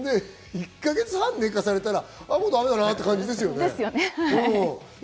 １か月半寝かされたらだめだなって感じですよね。